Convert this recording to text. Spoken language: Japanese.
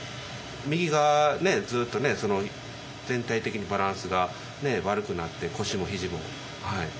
右がずっと全体的にバランスが悪くなって腰も肘も。